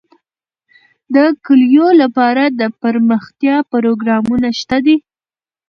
د کلیو لپاره دپرمختیا پروګرامونه شته دي.